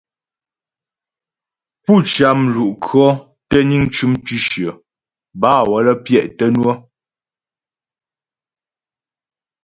Pú cyǎ mlu'kʉɔ̌ tə́ niŋ cʉm tʉ̌shyə bâ waə́lə́ pyɛ' tə́ ŋwə̌.